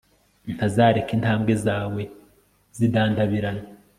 ntazareka intambwe zawe zidandabirana